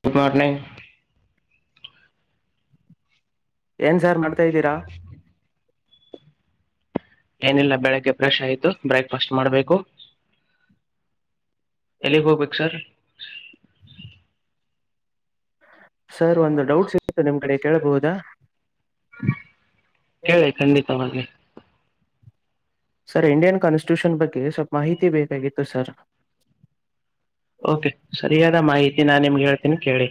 Good morning, ಏನ್ sir ಮಾಡ್ತದೀರಾ... ಏನಿಲ್ಲ ಬೆಳಿಗ್ಗೆ ಬ್ರೆಶ್ ಆಯ್ತು. ಬ್ರೇಕ್ಫಾಸ್ಟ್ ಮಾಡ್ಬೇಕು. ಎಲ್ಲಿಗಿ ಹೋಗಬೇಕ್ ಸರ್, ಸರ್, ಒಂದು ಡೌಟ್ಸ್ ಇತ್ತನಿಮ್ ಕಡೆ ಕೇಳಬಹುದಾ...? ಕೇಳಿ ಖಂಡಿತವಾಗಿ ಸರ್, ಇಂಡಿಯನ್ ಕಾನ್ಸ್ಟಿಟ್ಯೂಷನ್ ಬಗ್ಗೆ ಸ್ವಲ್ಪ ಮಾಹಿತಿ ಬೇಕಾಗಿತ್ತು ಸರ್. ಓಕೆ ಸರಿಯಾದ ಮಾಹಿತಿ ನಾನ್ ನಿಮ್ಗೆ ಹೇಳ್ತೀನಿ ಕೇಳಿ.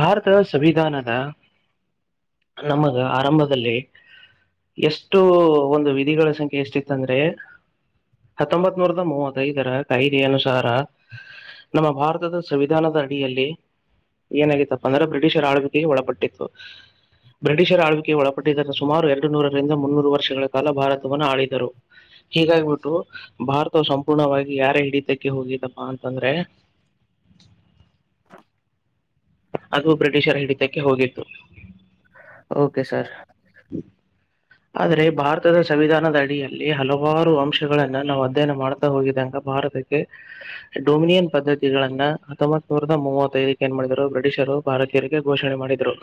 ಭಾರತದ ಸಂವಿಧಾನದ ನಮಗ ಆರಂಭದಲ್ಲಿ ಎಷ್ಟು ಒಂದು ವಿಧಿಗಳ ಸಂಖ್ಯೆ ಎಷ್ಟಿತ್ತಂದ್ರೆ ಹತ್ತೊಂಬತ್ ನೂರದ ಮೂವತ್ತಐದರ ಕಾಯ್ದೆಯ ಅನುಸಾರ ನಮ್ಮ ಭಾರತದ ಸಂವಿಧಾನದ ಅಡಿಯಲ್ಲಿ ಏನಾಗಿತ್ತಪ್ಪ ಅಂದ್ರೆ ಬ್ರಿಟಿಷರ ಆಳ್ವಿಕೆಗೆ ಒಳಪಟ್ಟಿತ್ತು ಬ್ರಿಷರ್ ಆಳ್ವಿಕೆಯೆಗೆಳಪಟ್ಟಿದ್ದ ಸುಮಾರು ಎರಡು ನೂರರಿಂದ ಮುನ್ನೂರು ವರ್ಷಗಳ ಕಾಲ ಭಾರತವನ್ನು ಆಳಿದರು ಹೀಗಾಗಿಬಿಟ್ಟು ಭಾರತ ಸಂಪೂರ್ಣವಾಗಿ ಯಾರ ಹಿಡಿತಕ್ಕೆ ಹೋಗಿದ್ದಪ್ಪಾ ಅಂತಂದ್ರೆ ಅದು ಬ್ರಿಟಿಷರ್ ಹಿಡಿಕ ಕ ಹೋಗಿತ್ತು ಓಕೆ ಸರ್ ಆದ್ರೆ ಭಾರತದ ಸಂವಿಧಾನದ ಅಡಿಯಲ್ಲಿ ಹಲವಾರು ಅಂಶಗಳನ್ನ ನಾವು ಅಧ್ಯಯನ ಮಾಡತ ಹೋಗಿದಂಗ ಭಾರತಕ್ಕೆ ಡೊಮಿನಿಯನ್ ಪದ್ಧತಿಗಳನ್ನ ಹತ್ತೊಂಬ ಸಾವಿರದ ಮೂವತ್ತೈದಕ್ಕೆ ನ್ ಮಾಡರು ಬ್ರಿಟಿಷರು ಭಾರತೀಯರಿಗೆ ಘೋಷಣೆ ಮಾಡಿದರು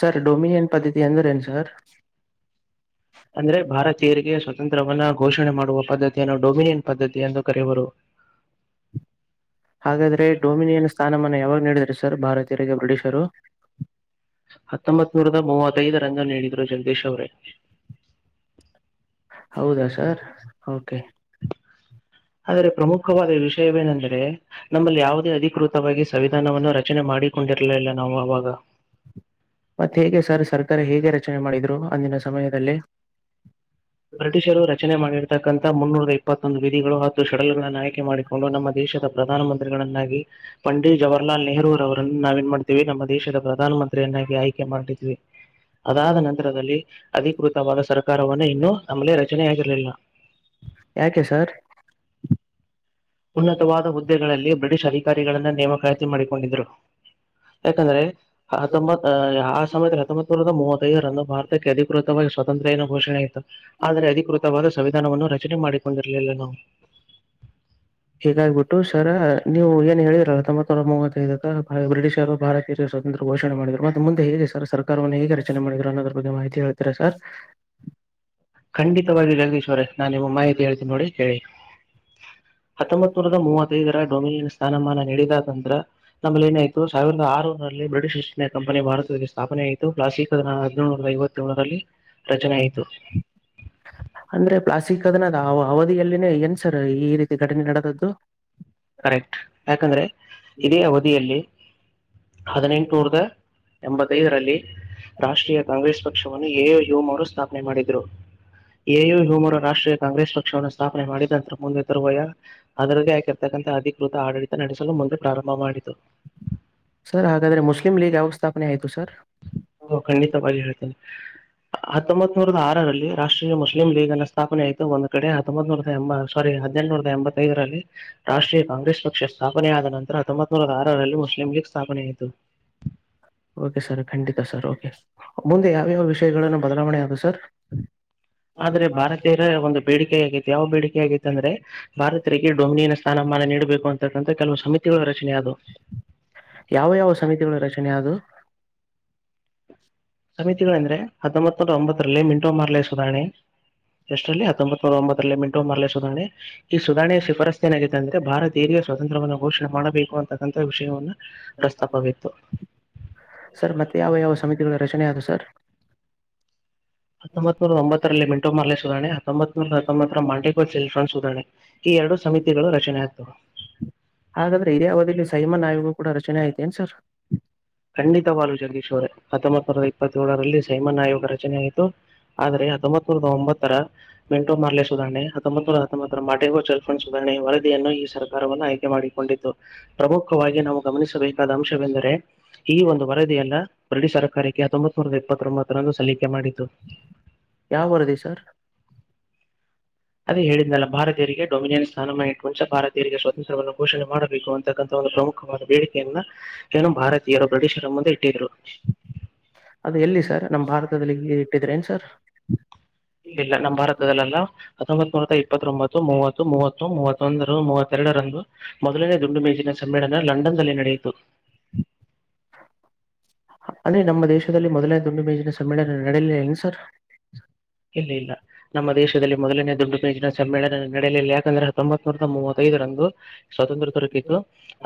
ಸರ್ ಡೊಮಿನಿಯನ್ ಪದ್ಧತಿ ಅಂದರುನು ಸರ್ ಅಂದ್ರೆ ಭಾರತೀಯರಿಗೆ ಸ್ವಾತಂತ್ರವನ್ನ ಘೋಷಣೆ ಮಾಡುವ ಪದ್ಧತಿಯನ್ನು ಡೊಮಿನಿಯನ್ ಪದ್ಧತಿ ಎಂದು ಕರೆಯುವರು ಹಾಗಾದ್ರೆ ಡೊಮಿನಿಯನ್ ಸ್ಥಾನಮಾನ ಯಾವಾಗ ನೀಡಿದ್ರ ಸರ್ ಭಾರತೀಯರಿಗೆ ಬ್ರಿಟಿಷರು ಹತ್ತೊಂಬತ್ ನೂರದ ಮೂವತ್ತೈದು ರನ್ ನೀ ಇದು ಜಗದೀಶ್ ಅವರೇ ಹೌದಾ ಸರ್ ಓಕೆ ಆದರೆ ಪ್ರಮುಖವಾದ ವಿಷಯವೇನೆಂದ್ರೆ ನಮ್ಮಲ್ಲಿ ಯಾವುದೇ ಅಧಿಕೃತಿ ಸಂವಿಧಾನವನ್ನು ರಚನೆ ಮಾಡಿಕೊಂಡಿರ್ಲಲಿಲ್ಲ ನಾವು ಅವಾಗ ಮತ್ತ್ತತ್ ಹೇಗೆ ಸರ್ ಸರ್ ತರ ಹೇಗೆ ರಚನೆ ಮಾಡಿದ್ರು ಅಂದಿನ ಸಮಯದಲ್ಲಿ ಬ್ರಿಟಿಷರು ರಚನೆ ಮಾಡಿರೆ ಇರ್ತಕ್ಕಂತಥ ಮುನ್ನೂರ ಇಪ್ಪತ್ತೊಂದು ವಿಧಿಗಳು ಹಾಗೂ ಶಡಲ್ ಗಳನ್ನು ಆಯ್ಕೆ ಮಾಡಿಕೊಂಡು ನಮ್ಮ ದೇಶದ ಪ್ರಧಾನಮಂತ್ರಿಗಳನ್ನಾಗಿ ಪಂಡಿತ್ ಜವಾಹರ್ಲಾಲ್ ನೆಹರುೂ ಅವರನ್ನ ನಾವ ಏನ್ ಮಾಡ್ತೀವಿ ನಮ್ಮ ದೇಶದ ಪ್ರಧಾನಮಂತ್ರಿ ಪ್ರೇನಾಗಿ ಆಯ್ಕೆ ಮಾಡಿದ್ವಿ ಅದಾದ ನಂತರದಲ್ಲಿ ಅಧಿಕೃತವಾದ ಸರ್ಕಾರ ಕಾರವನ್ನು ಇನ್ನು ನಮ್ಮಳೇ ರಚನೆ ಆಕರಲಲ್ಲ ಯಾಕೆ ಸರ್ ಉನ್ನತವಾದ ಹುದ್ದೆಗಳಲ್ಲಿ ಬ್ರಿಟಿಷ್ ಅಧಿಕಾರಿಗಳನ್ನ ನೇಮಕಾತಿ ಮಾಡಿಕೊಂಡಿದ್ರು ಯಾಕಂದ್ರೆ ಹತ್ತೊಂಬತ್ ಅ ಆ ಸಮಯ ಹತ್ತೊಂಬತ್ ನೂರದ ಮೂವತ್ತು ಕ ಅ ಭಾರತ ಕೇಕೃ ಸ್ವಾತಂತ್ರ ಏನ ಘೋಷಣೆ ಆಯಿತು ಆದ್ರರೆ ಅಧಿಕೃತವಾದ ಸಂವಿಧಾನವನ್ನು ರಚನೆ ಮಾಡಿಕೊಂಡಿರಲಿಲ್ಲ ನಾವು ಹೀಗಾಗ್ಬಿಟ್ಟು ಸರ ನೀವು ಏನು ಹೇಳಿದಿರಲ್ಲ ತೊಂಬತ್ನೂರ ಮೂವತ್ತ್ತೈದ ಬ್ರಿಟಿಷರು ಭಾರತೀಯರಿಗೆ ಸ್ವಾತಂತ್ರ್ಯ ಘೋಷಣೆ ಮಾಡಿದ್ರು ಮತ್ತೆ ಮುಂದೆ ಹೇಗೆ ಸರ್ ಸರ್ಕಾರವನ್ನು ಹೇಗೆ ರಚನೆ ಮಾಡಿದ್ರು ಅನ್ನೋದ್ರ ಬಗ್ಗೆ ಮಾಹಿತಿ ಹೇಳ್ತೀರಾ ಸರ್ ಖಂಡಿತವಾಗಿ ಜಗದೀಶ್ ಅವರೇ ನಾ ನಿಮ್ಮ ಮಾಹಿತಿ ಹೇಳ್ತೀನಿ ನೋಡಿ ಹೇಳಿ ಹತ್ತೊಂಬತ್ ನೂರದ ಮೂವತ್ತೈದರ ಸ್ಥಾನಮಾನ ನೀಡಿದ ಅ್ರ ನಮ್ಮೇಲ್ಲಿ ಏತ ಸಾವಿರದ ಆರುರಲ್ಲಿ ಬ್ರಿಟಿಷ್ಸ್ ಇಂಡಿಯ ಕಂಪನಿ ಭಾರತದ ಸ್ಥಾಪನೆ ಪ್ರಸ್ತುತ ಹದಿನೇಳುನೂರ ಐವತ್ತೇಳರಲ್ಲಿ ರಚನೆ ಆಯ್ತು ಅಂದ್ರೆ ಪ್ಲಾಸಿಕ್ ಅದನದ ಅವಧಿಯಲ್ಲಿನೇ ಏನ್ ಸರ್ ಈ ರೀತಿ ಘಟನೆ ನಡೆದದ್ದು ಕರೆಕ್ಟ್ ಯಾಕಂದ್ರೆ ಇದೇ ಅವಧಿಯಲ್ಲಿ ಹದಿನೆಂಟನೂರದ ಎಂಬತ್ತೈದರಲ್ಲಿ ರಾಷ್ಟ್ರೀಯ ಕಾಂಗ್ರೆಸ್ ಪಕ್ಷವನ್ನು ಎ ಏ ಯೋಮ ಅವರು ಸ್ಥಾಪನೆ ಮಾಡಿದ್ರು ಎ ಏ ತೋಳ ರವರು ರಾಷ್ಟ್ರೀಯ ಕಾಂಗ್ರೆಸ್ ಪಕ್ಷ ಪಕ್ಷವನ್ನು ಸ್ಥಾಪನೆ ಮಾಡಿದ ನಂತರ ಮುಂದೆ ತರುವಯ ಅದ್ರದೇ ಹಾಕಿ ಅಧಿಕೃತ ಆಡಳಿತ ನಡೆಸಲು ಮುಂದೆ ಪ್ರಾರಂಭ ಮಾಡಿತು ಸರ್ ಹಾಗಾದ್ರೆ ಮುಸ್ಲಿಮಂ ಲೀಗ್ ಯಾವ ಸ್ಥಾಪನೆ ಆಯ್ತು ಸರ್ ಹಓ ಖಂಡಿತವಾಗಿ ಹೇಳ್ತೇನೆ ಹತ್ತೊಂಬತನೂರ್ ಆರಲ್ಲಿ ರಾಷ್ಟ್ರೀಯ ಮುಸ್ಲಿಂ ಲೀಗ್ ಅಲ್ಲ ಸ್ಥಾಪನೆ ಆಯ್ತ ಒಂದ್ ಕಡೆ ಹೊಂಬತ್ನೂರ ಎಂಬ ಸಾರಿ ಹದಿನೆಂಟನೂರದ ಎಂಬತ್ತೈದರಲ್ಲಿ ರಾಷ್ಟ್ರೀಯ ಕಾಂಗ್ರೆಸ್ ಪಕ್ಷ ಸ್ಥಾಪನೆಯ ಆದ ನಂತರ ಹತ್ತೊಂಬತ್ತು ನೂರ ಆರರಲ್ಲಿ ಮುಸ್ಲಿಂ ಲೀಗ್ ಸ್ಥಾಪನೆ ಆಯ್ತು ಓಕೆ ಸರ್ ಖಂಡಿತಾ ಸರ್ ಓಕೆ ಮುಂದೆ ಯಾವ್ಯಾವ ವಿಷಯಗಳನ್ನು ಬದಲಾವಣೆ ಆಗುತ್ತ ಸರ್ ಆದ್ರೆ ಭಾರತೀರ ಒಂದು ಬೇಡಿಕೆ ಆಗೈತಿ ಯಾವ ಬೇಡಿಕೆ ಹೇಗೈತ್ತ ಅಂದ್ರೆ ಭಾರತರಿಗೆ ಡೊಮಿನಿಯನ್ ಸ್ಥಾನಮಾನ ನೀಡುವ ಬೇಕು ಅಂತಕ್ಕಂಥ ಕೆಲವು ಸಮಿತಿಗಳ ರಚನೆ ಅದು ಯಾವ ಯಾವ ಸಮಿತಿಗಳ ರಚನೆ ಅದವು ಸಮಿತಿಗಳೆಂದ್ರೆ ಹತ್ತೊಂಬತ್ತು ಒಂಬತ್ತರಲ್ಲಿ ಮಿಂಟೋ ಮಾರ್ಲೇ ಸುಧಾನಿ ಎಷ್ಟರಲ್ಲಿ ಹತ್ತೊಂಬತ್ ನೂರ ಒಂಬತ್ತರಲ್ಲಿ ಮಿಂಟೊ ಮಾರ್ಲೆ ಸುಧಾರಣೆ ಈ ಸುಧಣೆ ಶಿಫಾರಸ್ ಏನಾಗಿತ್ತು ಅಂದ್ರೆ ಭಾರತ ಧೈರ್ಯಸ್ವಾತಂತ್ರ್ಯವನ್ನು ಘೋಷಣ ಮಾಡಬೇಕು ಅಂತಕ್ಕಂತಹ ವಿಷಯವನ್ನು ಸರ್ ಮತ್ತೆ ಯಾವ ಯಾವ ಸಮಿತಿಗಳ ರಚನೆ ಅದುವು ಸರ್ [unintelligible] ಹತೊಂಬತು ನೂರ ತೊಂಬತ್ತರಲ್ಲಿ ಮೆಂಟೊ ಮಾರ್ಲೆ ಸುಧಾರಣೆ ಹತೊಂಬತ್ ನೂರ ಹತ್ತೊಂಬತ್ತು [unintelligible] ಸುಧಾರಣೆ ಈ ಎರಡು ಸಮಿತಿಗಳು ರಚನೆ ಆಗ್ತವೆ ಹಾಗಾದರೆ ಇದ ಅವಧಿಯಲ್ಲಿ ಸೈಮನ್ ಆಯಿಗೂ ಕೂಡ ಚೆನ್ನ ಐತೆ ಏನ್ ಸರ್ ಖಂಡಿತವಾಗಲೂ ಜಗದೀಶ್ ಅವರೇ ಹತ್ತೊಂಬತ್ ಸಾವಿರದ ಇಪ್ಪತ್ತಏಳರಲ್ಲಿ ಸೈಮನ್ ಆಯೋಗ ರಚನೆಯಾಯಿತು ಆದರೆ ಹತ್ತೊಂಬತ್ ಸಾವರದ ಒಂಬತ್ತರ ಮೆಂಟೋ ಮಾರ್ಲೆ ಸುಧಾರಣೆ ಹತ್ತೊಂಬತ್ ಸಾವಿರದ ಹತ್ತೊಂಬತ್ತರ ಮಾಟೆಗೋ ಚೆಲ್ಫಂಡ್ ಸುಧಾರಣೆ ವರದಿಯನ್ನು ಈ ಸರ್ಕಾರವನ್ನ ಆಯ್ಕೆ ಮಾಡಿಕೊಂಡಿು ಪ್ರಮುಖವಾಗಿ ನಾವು ಗಮನಿಸಬೇಕಾದ ಅಂಶವೆಂದರೆ ಈ ಒಂದು ವರದಿ ಅಲ್ಲ ಗರಡಿ ಸರ್ಕಾರಕ್ಕೆ ಹತ್ತೊಂಬತ್ನೂರ ಎಪ್ಪತ್ತೊಂಬತ್ತರಂದು ಸಲ್ಲಿಕೆ ಮಾಡ ಯ ವರ್ದಿ ಸರ್ ಅದೇ ಹೇಳಿದಲ್ಲ ಭಾರತೀಯರಿಗೆ ಡೊಮಿನಿಯನ್ ಸ್ಥಾನಮ ಇಟ್ಟು ಮುಂಚ ಭಾರತೀಯರಿಗೆ ಸ್ವಾತಂತ್ರ್ಯವನ್ನು ಘೋಷಣೆ ಮಾಡಬೇಕು ಅಂತಕ್ಕಂಥ ಒಂದು ಪ್ರಮುಖವಾದ ಬೇಡಿಕೆಯನ್ನ ಏನು ಭಾರತೀಯರು ಬ್ರಿಟಿಷರ ಮುಂದೆ ಇಟ್ಟಿದರು ಇದ್ರೆ ನ್ ಸರ್ ಇಲ್ಲ ಇಲ್ಲ ನಮ್ಮ್ ಭಾರತದಲ್ಲೆಲ್ಲ ಹತ್ತೊಂಬತ್ ನೂರ ಇಪ್ಪತ್ತೊಂಬತ್ತು ಮೂವತ್ತು ಮೂವತ್ತು ಮೂವತ್ತು ಬಂದರು ಮೂವತ್ತೆರಡರಂದು ಮೊದಲನೇ ದುಂಡು ಮೇಜಿನ ಸಮ್ಮೇಳನ ಲಂಡನ್ಲ್ಲಿ ನಡೆಯಿತು ಅಂದರಿ ನಮ್ಮ ದೇಶದಲ್ಲಿ ಮೊದಲೇ ದುಂಡು ಮೇಜಿನ ಸಮ್ಮೇಳನ ನಡೆಯಲಿಲ್ಲ ಇನು ಸರ್ ಇಲ್ಲ ಇಲ್ಲ ನಮ್ಮ ದೇಶದಲ್ಲಿ ಮೊದಲನೇ ದುಡ್ಡು ಮೇಜಿನ ಸಮ್ಮೇಳನ ನಡೆಯಲಿ ಯಾಕಂದ್ರೆ ಹಾತೊಂಬತು ವರ್ಷ ಮೂವತ್ತೈದರಂದು ಸ್ವಾತಂತ್ರ್ಯ ತೊರ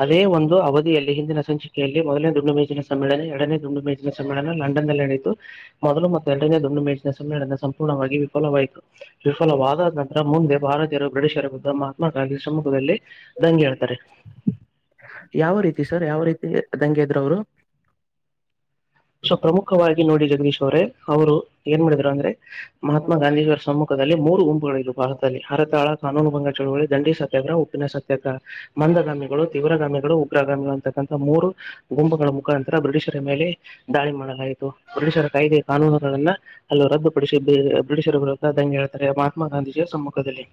ಅದೇ ಒಂದು ಅವಧಿಯಲ್ಲಿ ಹಿಂದಿನ ಸಂಚಿಕ ಲ್ಲಿ ಮೊದನೇ ದುಂಡು ಮೇಜಿನ ಸಮ್ಮೇಳನ ಎರಡನೇ ದುಂಡು ಮೇಜಿನ ಸಮ್ಮೇಳನ ಲಂಡನ್ ನಡಿತು ಮೊದಲು ಮತ್ತು ಎರಡನ ದುಂಡು ಮೇಜಿನ ಸಮ್ಮೇಳನ ಪೂರ್ಣವಾಗಿ ವಿಫಲವಾಯಿತು ವಿಫಲವಾದ ನಂತರ ಮುಂದೆ ಭಾರತೀಯರು ಬ್ರಿಟಿಷರ ಬುದ್ಧ ಮಹಾತ್ಮ ಗಾಂಧಿ ಸಮ್ಮುಖದಲ್ಲಿ ದಂಗೆ ಹೇಳ್ತಾರೆ ಯಾವ ರೀತಿ ಸರ್ ಯಾವ ರೀತಿ ದಂಗೆ ಎದ್ರು ಅವರು ಸೊ ಪ್ರಮುಖವಾಗಿ ನೋಡಿ ಜಗದೀಶ್ ಅವ್ರೆ ಅವರು ಏನ್ ಮಾಡಿದ್ರು ಅಂದ್ರೆ ಮಹಾತ್ಮ ಗಾಂಧಿವರ ಸಮ್ಮುಖದಲ್ಲಿ ಮೂರು ಗಂಪುಗಳುರು ಭಾರತದಲ್ಲಿ ಹರತಾಳ ಕಾನೂನು ಭಂಗ ಚಳುವಳಿ ದಂಡಿ ಸತ್ಯಾಗ್ರಹ ಉಪ್ಪಿನ ಸತ್ಯಾಗ್ರಹ. ಮಂದಧಾಮಿಗಳು. ತೀವ್ರಗಾಮಿಗಳು ಉಗ್ರಗಾಮಿಗಳು ಅಂತಕ್ಕಂತಹ ಮೂರು ಗುಂಬಗಳ ಮುಖಾಂತರ ಬ್ರಿಟಿಷರ ಮೇಲೆ. ದಾಳಿ ಮಾಡಕ್ ಆಯ್ತು. ಪೊರುೀಷರ ಕಾಯ್ದೆ ಕಾನೂನುಗಳನ್ನ. ಅಲ್ಲ ರದ್ದುಪಡಿಸಿ ಬ್ರಿಟಿಷರು ವಿರುದ್ದ್ದಂಗೆ ಹೇಳ್ತಾರೆ ಮಹಾತ್ಮ ಗಾಂಧೀಜಿಯ ಸಮ್ಮುಖದಲ್ಲಿ.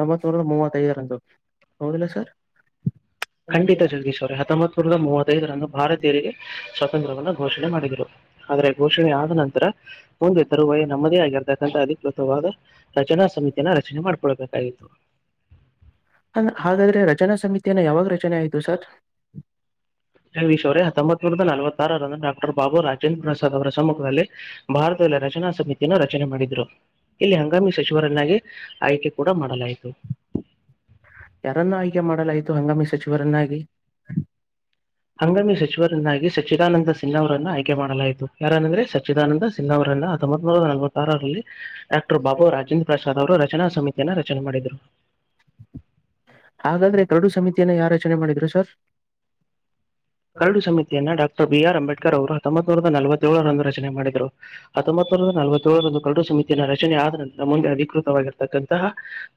ತೊಂಬತ್ ನೂರ ಮೂವತ್ತೈದರಂದು ಹೌದಿಲ್ಲ ಸರ್. ಖಂಡಿತ ಜಗದಶ್ ಅವರ್ ಹೊಂಬತ್ೂರದ ಮೂವತ್ತೈದರ. ಭಾರತೀಯರಿಗೆ ಸ್ವಾತಂತ್ರವನ್ನ ಘೋಷಣೆ ಮಾಡಿದರು ಆದ್ರೆ. ಘೋಷಣೆ ಆದ ನಂತರ. ಮುಂದೆ ತರುವ ನಮ್ಮದೇ ಆಗಿರ್ತಕ್ಕಂಥ ಅಧಿಕೃತವಾದ ರಚನಾ ಸಮಿತಿಯನ್ನ ರಚನೆ ಮಾಡ್ಕೊಳ್ಬೇಕಾಗಿತ್ತು. ನ ಯಾವಾಗ ರಚನೆ ಆಯ್ತು ಸರ್. ್ವರ ಹೊಂಬತ್ತೂರಂದ ನಲವತ್ತಾ. ರ್ಾಬು ರಾಜೇಂದ್ರ ಅವರ ಸಮ್ಮುಖದಲ್ಲಿ ಭಾರತದಲ್ಲಿ ರಚನಾ ಸಮಿತಿಯನ್ನು ರಚನೆ ಮಾಡಿದ್ರು. ಇಲ್ಲಿ ಹಂಗಾಮಿ ಸಚಿವರನ್ನಾಗಿ ಆಯ್ಕೆ. ಕೂಡ ಮಾಡಲಾಯ್ತು. ಯಾರನ್ನ ಆಯ್ಕೆ ಮಾಡಲಾಯ್ತು ಹಂಗಾಮಿ ಸಚಿವರನ್ನಾಗಿ. ಹಂಗಾಮಿ ಸಚಿವರನ್ನಾಗಿ ಸಚ್ಚಿದಾನಂದ ಸಿನ್ಹಾ ಅವರನ್ನ ಆಯ್ಕೆ ಮಾಡಲಾಯಿತು ಯಾರನಂದ್ರೆ ಸಚ್ಚಿದಾನಂದ. ಸಿನ್ನ ಅವರ ಹೊತ್ತೊಂಬತ್ ನೂರಾ ನಲವತ್ತಾರರಲ್ಲಿ. ಡಾಕ್ಟರ್ ಬಾಬು ರಾಜೇಂದ್ರ ಪ್ರಸಾದ್ ಅವರು ರ. ರಚನಾ ಸಮಿತಿಯನ್ನು ರಚನೆ ಮಾಡಿದರು. ಹಾಗಾದ್ರೆ ಕರಡು ಸಮಿತಿಯನ್ನ ಯಾವ ರಚನೆ ಮಾಡಿದ್ರು ಸರ್. ಕರಡು ಸಮಿತಿಯನ್ನ ಡಾ. ರ್ ಬಿ ಆರ್ ಅಂಬೇಡ್ರ್ ಅವರು ಹತ್ತೊಂಬತ್ೂರ ನಲವತ್ತ ೇಳಳರಂದು ರಚನೆ ಮಾಡಿದರುರು ಹತ್ತೊಂಬತ್ೂರ ನಲವತ್ತೇಳಳರಂದು ಕಡು ಸಮಿತಿಯ ರಚನೆ ಆದ ನಂತರ ಮುಂದೆ ಅಧಿಕೃತವಾಗಿರತಕ್ಕಂತಹ.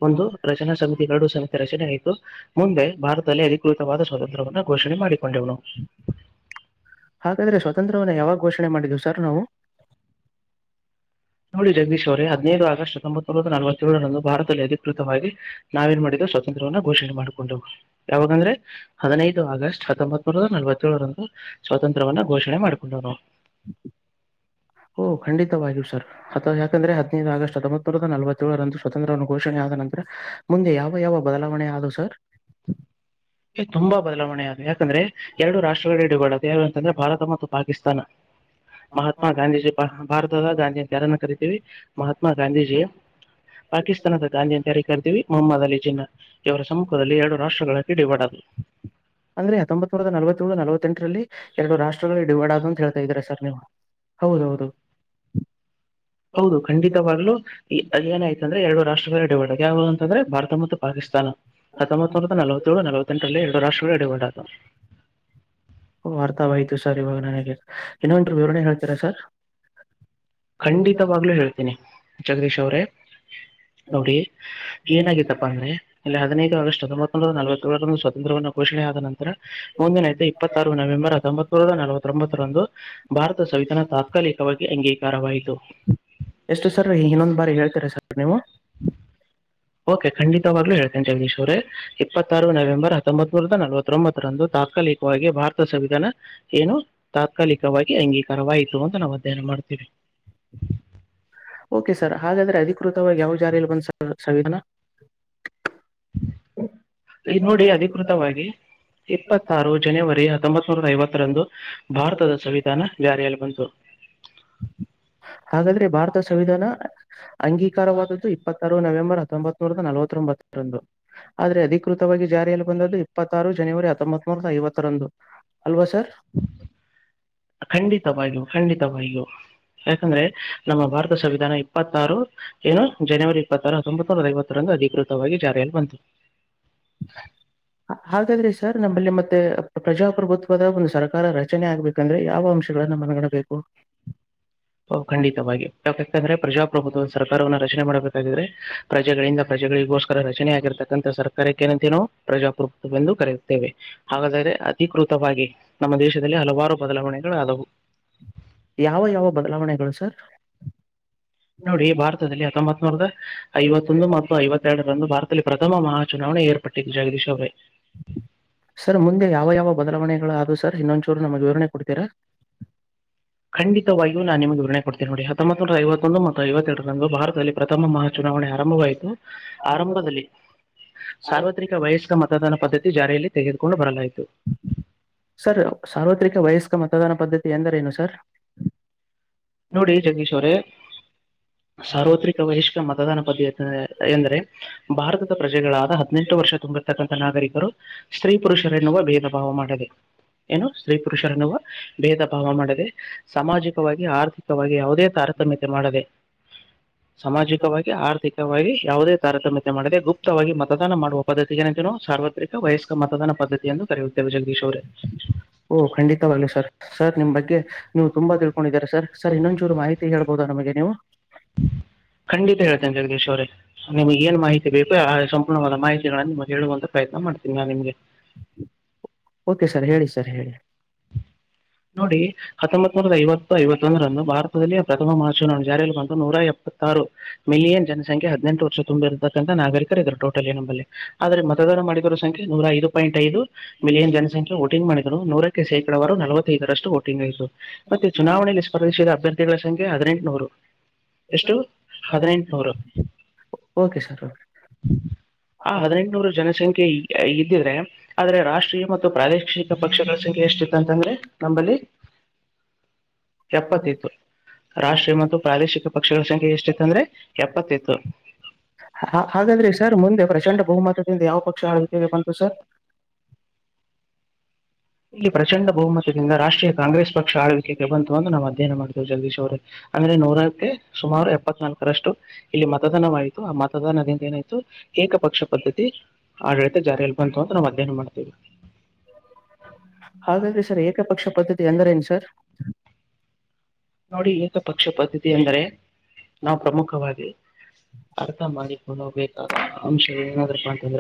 ಒಂದು ರಚನಾ ಸಮಿತಿ ಎರಡು ಸಮಿತಿ. ತರೆ ಆಯಿತು. ಮುಂದೆ ಭಾರತದಲ್ಲಿ ಅದ. ೃತವ ಸ್ವಾತಂತ್ರ್ಯವನ್ನು ಘೋಷಣೆ ಮಾಡಿಕೊಂಡ. ಹಾಗಾದ್ರೆ ಸ್ವತಂತ್ರವನ್ನ ಯಾವಾಗ ಘೋಷಣೆ ಮಾಡಿದು. ಸರ್ ನಾವು. ನೋಡಿ ಜಗದೀಶ್ ಅವ್ರ ಹದಿನೈದು ಆಗಸ್ಟ್ ತೊಂಬತ್ತತ್. ನಲವತ್ತೇಳರಂದು ಭಾರತದಲ್ಲಿ ಅಧಿಕೃತವಾಗಿ. ನಾವೇನ್ ಮಾಡಿದ್ದು ಸ್ವಾತಂತ್ರ್ಯವನ್ನ. ಘೋಷಣೆ ಮಾಡ್ಕೊಂಡ ಯಾವಾಗಂದ್ರೆ. ಹದಿನೈದು ಆಗಸ್ಟ್ ಹತ್ತೊಂಬತ್ತನೂರರ ನಲವತ್ತೇಳಳರಂದು. ಹ ಸ್ವಾತಂತ್ರವನ್ನ ಘೋಷಣೆ ಮಾಡಕೊಂಡವ ನಾವು ಓ ಖಂಡಿತವಾಗಿಯೂ ಸರ್ ಅಥವಾ ಯಾಕಂದ್ರೆ ಹದ್ಿನೈದು ಆಗಸ್ಟ್ ಹದೊಂಬತ್ ನೂರ ನಲವತ್ತೇಳರಂದು ಸ್ವತಂತ್ರ್ಯವನ್ನು ಘೋಷಣೆ ಆದ ನಂತರ ಮುಂದೆ ಯಾವ ಯಾವ ಬದಲಾವಣೆ ಆದವು ಸರ್ ತುಂಬಾ ಬದಲಾವಣೆ ಅದು ಯಾಕಂದ್ರೆ ಎರಡು ರಾಷ್ಟ್ರಗಳ ಡಿವೈಡ್ ಆದ ಅಂದ್ರೆ ಭಾರತ ಮತ್ತು ಪಾಕಿಸ್ತಾನ ಮಹಾತ್ಮಾ ಗಾಂಧಿ ಜಿ ಭಾರತ ಗಾಂಧಿ ಜಾರನ್ನ ಕರಿತೀವಿ ಮಹಾತ್ಮ ಗಾಂಧೀಜಿ ಪಾಕಿಸ್ತಾನದ ಗಾಂಧಿಯಂತ ಕರ್ತೀವಿ ಮೊಹಮ್ಮ್ ಅಲಿ ಜೀನ್ನಾ ಇವರ ಸಮ್ಮುಖದಲ್ಲಿ ಎರಡು ರಾಷ್ಟ್ರಗಳ ಇಡಿಪಡದು ಅಂದ್ರೆ ಹೊಂಬತ ನೂರದ ನವತ್ತೇಳು ನವತ್ತೆಂಟರಲ್ಲಿ ಎರಡು ರಾಷ್ಟ್ರ ಡಿವೈಡ ಆದು ಅಂತ ಹೇಳ್ತಾ ಇದೀರಾ ಸರ್ ನೀವು ಹೌದೌದು ಹೌದು ಖಂಡಿತವಾಗ್ಲು ಏನಾಯ್ತ ಅಂದ್ರೆ ಎರಡು ರಾಷ್ಟ್ರಗಳು ಡಿವೈಡ ಆದು ಯಾವ ಯಾವ ಅಂತಂದ್ರೆ ಭಾರತ ಮತ್ತು ಪಾಕಿಸ್ತಾನ ಹತ್ತೊಂಬತ್ತು ನೂರದ ನಲವತ್ತೇಳು ನಲವತ್ತೆಂಟು ಎರಡು ರಾಷ್ಟ್ರಗಳು ಡಿವೈಡ ಆದು ವಾರ್ತಾವಾಯ್ತು ಸರ್ ಇವಾಗ ನನಗೆ ಇನ್ನನ್ರು ವಿವರಣೇನ್ ಹೇಳ್ತೀರಾ ಸರ್ ಖಂಡಿತವಾಗ್ಲುೂ ಹೇಳ್ತೀನಿ ಜಗದೀಶ್ ಅವ್ರೇ ನೋಡಿ ಏನಾಗತ್ತಪ್ಪಾ ಅಂದ್ರೆ ಇಲ್ಲಿ ಹದಿನೈದು ಆಗಸ್ಟ್ ಹೊಂಬತ್ತು ಒ ನಲವತ್ತೇಳರ ಸ್ವತಂತ್ರವ ಘೋಷಣೆಯ ಆದ ನಂತರ ಮುಂದಿನೈದು ಇಪ್ಪತ್ತಾರು ನವೆಂಬರ್ ಹತ್ತೊಂಬತ್ರ ನಲವತ್ತೊಂಬತ್ತರಂದು ಭಾರತ ಸಂವಿಧಾನ ತಾತ್ಕಾಲಿಕವಾಗಿ ಅಂಗೀಕ ಎಷ್ಟು ಸರ್ ಇನ್ನೊಂದು ಬಾರಿ ಹೇಳ್ತೀರಾ ಸರ್ ನೀವು ಓಕೆ ಖಂಡಿತವಾಗ್ಲೂ ಹೇಳ್ತಿನಿ ಜಗದೀಶ್ವರೆ ಇಪ್ಪತ್ತಾರು ನವೆಂಬರ್ ಹತ್ತೊಂಬತ್ತು ನಲವತ್ತೊಂಬತ್ತರಂದು ತಾತ್ಕಾಲಿಕವಾಗಿ ಭಾರತ ಸಂವಿಧಾನ ಏನು ತಾತ್ಕಾಲಿಕವಾಗಿ ಅಂಗೀ ತರವಾಯ್ತು ಮ ನಾವವು ಅಧ್ಯಯನ ಮಾಡ್ತೀವಿ ಓಕೆ ಸರ್ ಹಾಗಾದ್ರೆ ಅಧಿಕೃತ ಯಾವ ಜಾರ ಬಂದ ಸವಿಧಾನ ಈ ನೋಡಿ ಅಧಿಕೃತವಾಗಿ ಇಪ್ಪತ್ತಾರು ಜನವರಿ ಹತ್ತೊಂಬತ್ತು ಸಾವಿರದ ಐವತ್ತರಂದು ಭಾರತದ ಸಂವಿಧಾನ ಜಾರಿಯಲ್ಲಿ ಬಂತು ಹಾಗಾದ್ರೆ ಭಾರತ ಸಂವಿಧಾನ ಅಂಗೀಕಾರವಾದದ್ದು ಇಪ್ಪತ್ತಾರು ನವೆಂಬರ್ ಹತ್ತೊಂಬತನೂರ ನಲವತ್ತೊಂಬತ್ತರಂದು ಆದ್ರೆ ಅಧಿಕೃತವಾಗಿ ಜಾರಿಯಲ್ಲಿ ಬಂದು ಇಪ್ಪತ್ತಾರು ಜನವರಿ ಹತ್ತೊಂಬತ್ನೂರ ಐವತ್ತರಂದು ಅಲ್ವಾ ಸರ್ ಖಂಡಿತವಾಗಿಯೂ ಖಂಡಿತವಾಗಿಯೂ ಯಾಕಂದ್ರೆ ನಮ್ಮ ಭಾರತ ಸಂವಿಧಾನ ಇಪ್ಪತ್ತಾರು ಏನು ಜನವರಿ ಇಪ್ಪತ್ತಾರು ಹೊಂಬತ್ತು ಸಾವರದ ಐವತ್ತರಂದು ಅಧಿಕೃತ ವಾಗಿ ಜಾರ ಎಲ್ಲಿ ಬಂತು ಹಾ- ಹಾಗಾದ್ರೆ ಸರ್ ನಮ್ಮಲ್ಲಿ ಮತ್ತೆ ಪ್ರಜಾಪ್ರಭುತ್ವದ ಒಂದು ಸರ್ಕಾರ ರಚನೆ ಆಗ್ಬೇಕಂದ್ರೆ ಯಾವ ಅಂಶಗಳನ್ನ ಮನಗಣಬೇಕು ಖಂಡಿತವಾಗಿ ಯಾಕೆಾಂದ್ರ ಪ್ರಜಾಪ್ರಭುತ್ವ ಸರ್ಕಾರವವನ್ನು ರಚನೆ ಮಾಡಬೇಕಾಗಿದ್ರೆ ಪ್ರಜೆಗಳಿಂದ ಪ್ರಜೆಗಳಿಗೋಸ್ಕರ ರಚನೆ ಆಗಿರ್ತಕ್ಕಂಥ ಸರ್ಕಾರಕ್ಕೇನಂತೆ ನಾವು ಪ್ರಜಾಪ್ರಭುತ್ವವೆಂದು ಕರೆಯುತ್ತೇವೆ ಹಾಗಾದೆ ಅಧಿಕೃತವಾಗಿ ನಮ್ಮ ದೇಶದಲ್ಲಿ ಹಲವಾರು ಬದಲಾವಣೆಗಳ ಆದವು ಯಾವ ಯಾವ ಬದಲಾವಣೆಗಳು ಸರ್ ನೋಡಿ ಭಾರತದಲ್ಲಿ ಹತ್ತೊಂಬತ್ ನೋಡ್ದ ಐವತ್ತೊಂದು ಮತ್ತು ಐವತ್ತೆರಡರಂದು ಭಾರತದಲ್ಲಿ ಪ್ರಥಮ ಮಾ ಚುನಾವಣೆ ಏರ್ ಪಟ್ಟಿ ಜಾಗ್ರ ಸೆ ಸರ್ ಮುಂದೆ ಯಾವ ಯಾವ ಬದಲಾವಣೆಗಳುಾದ ಸರ್ ಇನ್ನೊಂಚೂರು ನಮ್ಗ್ ವಿವರಣೆ ಕೊಡ್ತೀರಾ ಖಂಡಿತ ವಿಯೂ ನಾ ನಿಮ್ದುಗರಣೆ ಕೊಡ್ತೀಿ ನೋಡಿ ಹತ್ತೋಬಂತುನೂರ ಐವತ್ತೆರಡರಂದು ಭಾರತದಲ್ಲಿ ಪ್ರಥಮ ಮಹ ಚುನಾವಣೆ ಆರಂಭವಾಯಿತು ಕೊಡ್ತೀರಾ ಆರಂಭದಲ್ಲಿ ಸಾರ್ವತ್ರಿಕ ವಯಸ್ಕ ಮತದಾನ ಪದ್ಧತಿ ಜಾರಿಯಲ್ಲಿ ತೆಗೆದುಕೊಂಡು ಬರಲಾಯಿತು ಎಂದರ ಏನು ಸರ್ ನೋಡಿ ಜಗದೀಶ್ವರೇ ಸಾರ್ವತ್ರಿಕ ವಹಿಷ್ಕ ಮತದಾನ ಪದ ಎಂದರೆ ಭಾರತದ ಪ್ರಜೆಗಳಾದ ಹದಿನೆಂಟು ವರ್ಷ ತುಂಬಿರ್ತಕ್ಕಂಥ ನಾಗರಿಕರು ಸ್ತ್ರೀ ಪುರುಷರೆನ್ನುವ ಭೇದ ಭಾವ ಮಾಡದೆ ಏನು ಸ್ತ್ರೀ ಪುರುಷರೆನ್ನುವ ಭೇದ ಭಾವ ಮಾಡದೆ ಸಾಮಾಜಿಕವಾಗಿ ಆರ್ಥಿಕ ಯಾವುದೇ ತಾರತಮ್ಯ ಮಾಡದೆ ಸಾಮಾಜಿಕವಾಗಿ ಆರ್ಥಿಕವಾಗಿ ಯಾವುದೇ ತಾರತಮ್ಯತೆ ಮಾಡಿದೆ ಗುಪ್ತವಾಗಿ ಮತ್ತೆ ಮತದಾನ ಮಾಡುವ ಪದ್ಧತಿಗೆಏನಂತ ಸಾರ್ವತ್ರಿಕ ವಯಸ್ಕ ಮತದಾನ ಪದ್ಧತಿ ಎಂದು ಕರೆಯುತ್ತೇವೆ ಜಗದೀಶ್ ಅವ್ರೇ ಓ ಖಂಡಿತವಾಗ್ಲಿ ಸರ್ ಸರ್ ನಿಮ ಬಗ್ಗೆ ನೀವು ತುಂಬಾ ತಿಳ್ಕೊಂಡಿದಿದ್ದಾರೆ ಸರ್ ಸರ್ ಇನ್ನೊಚೂರು ಮಾಹಿತಿ ಹೇಳ್ಬವುದು ನಮಗೆ ನೀವು ಖಂಡಿತ ಹೇಳ್ತನೆ ಜಗದೇಶ್ ಅವರೇ ನಿಮ್ಗ್ ಏನ್ ಮಾಹಿತಿ ಬೇಕು ಸಂಪೂರ್ಣವಾದ ಮಾಹಿತಿಗಳನ್ನ ನಿಮಗೆ ಹೇಳುವಂತ ಪ್ರಯತ್ನ ಮಾಡ್ತೀನಿ ನಾನ್ ನಿಮ್ಗೆ ಓಕೆ ಸರ್ ಹೇಳಿ ಸರ್ ಹೇಳಿ ನೋಡಿ ಹತ್ತೊಂಬತ್ ನೂರದ ಐವತ್ತು ಐವತ್ತ ಅಂದ್ರಂದು ಭಾರತದಲ್ಲಿ ಪ್ರಥಮ ಮಹಾಚಿನವುನೆ ಜಾರಿಯಲ್ಲಿ ಬಂತು ನೂರ ಎಪ್ಪತ್ತಾರು ಮಿಲಿಯನ್ ಜನ ಸಂಖ್ಯೆ ಹದಿನೆಂಟು ತುಂಬಿ ಇರ್ತಕ್ಕಂತ ನಾಗರಿಕರ್ ಇದ್ರು ಟೋಟಲಿ ಈ ನಂಬಲ್ಲಿ. ಆದ್ರೆ ಮತದಾನ ಮಾಡಿದೋರ ಸಂಖ್ಯೆ ನೂರ ಐದು ಪಾಯಿಂಟ್ ಐದು ಮಿಲಿಯನ್ ಜನಸಂಖ್ಯೆ ವೋಟಿಂಗ್ ಮಾಡಿದ್ರು ನೂರ ಶೇಕಡವಾರು ನಲವತ್ತೈದರಷ್ಟು ಓಟಿಂಗ್ ಆಯಿತು. ಮತ್ತೆ ಚುನಾವಣೆಯಲ್ಲಿ ಸ್ಪರ್ಧಿಸಿದ ಅಭ್ಯ ಗಳ ಸಂಖ್ಯೆ ಹದಿನೆಂಟು ನೂರು. ಎಷ್ಟು ಹದಿನೆಂಟುನೂರು ಓಕೆ ಸರ್ ಓಕೆ. ಆ ಹದಿನೆಂಟುನೂರು ಜನಸಂಖ್ಯೆ ಇದ್ದಿದ್ರೆ ಆದ್ರೆ ರಾಷ್ಟ್ರೀಯ ಮತ್ತು ಪ್ರಾದೇಶಿಕ ಪಕ್ಷಗಳ ಸಂಖ್ಯೆ ಎಷ್ಟಿತ್ತ ಅಂತಂದ್ರೆ ನಂಬಲ್ಲಿ ಎಪ್ಪತ್ತಿತ್ತು ರಾಷ್ಟ್ರೀಯ ಮತ್ತು ಪ್ರಾದೇಶಿಕ ಪಕ್ಷಗಳ ಸಂಖ್ಯೆ ಎಷ್ಟಿತ್ತು ಅಂದ್ರೆ ಎಪ್ಪತ್ತಿತ್ತು. ಹಾಗಾದ್ರೆ ಸರ್ ಮುಂದೆ ಪ್ರಚಂಡ ಬಹುಮತದಿಂದ ಯಾವ ಪಕ್ಷ ಆಳ್ವಿಕೆಗೆ ಬಂತು ಸರ್ ಇಲ್ಲಿ ಪ್ರಚಂಡ ಬಹುಮತದಿಂದ ರಾಷ್ಟ್ರೀಯ ಕಾಂಗ್ರೆಸ್ ಪಕ್ಷ ಆಳ್ವಿಕೆಗೆ ಬಂತು ಎಂದು ನಾವು ಅಧ್ಯಯನ ಮಾಡು ವೆ ಜಗದೀಶ್ ಅವ್ರೆ ಅಂದ್ರೆ ನೂರಕ್ಕೆ ಸುಮಾರು ಎಪ್ಪತ್ ನಾಲ್ಕರಷ್ಟು ಇಲ್ಲಿ ಮತದಾನವಾಯಿತು ಆ ಮತದಾನದಿಂದ ಏನಾಯ್ತು ಏಕಪಕ್ಷ ಪದ್ಧತಿ ಆಡಳಿತ ಜಾರಿಯಲ್ ಬಂತು. ನಾವು ಮಧ್ಯಾಹ್ನ ಮಾಡ್ತೀವಿ. ಹಾಗಾದ್ರೆ ಸರ್ ಏಕಪಕ್ಷ ಪದ್ಧತಿ ಎಂದರೇನ್ ಸ ಸರ್, ನೋಡಿ ಏಕ ಪಕ್ಷ ಪದ್ದ ತಿ ಅಂದರೆ ನಾವು ಪ್ರಮುಖವಾಗಿ ಅರ್ಥ ಮಾಡಿ ನಾವ್ ಬೇಕಾದ ಅಂಶ ಏನಾದ್ರಪ್ಪ ಅಂತಂದ್ರೆ